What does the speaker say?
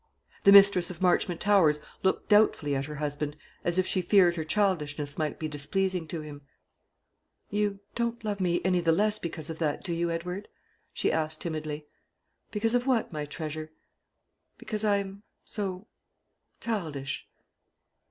The mistress of Marchmont Towers looked doubtfully at her husband, as if she feared her childishness might be displeasing to him. "You don't love me any the less because of that, do you, Edward?" she asked timidly. "Because of what, my treasure?" "Because I am so childish?"